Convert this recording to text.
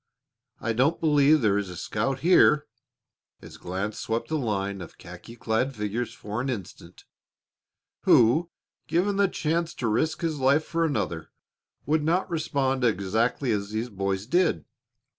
I don't believe there is a scout here," his glance swept the line of khaki clad figures for an instant, "who, given the chance to risk his life for another, would not respond exactly as these boys did.